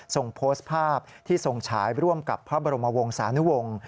ส่งโพสต์ภาพที่ทรงฉายร่วมกับพระบรมวงศานุวงศ์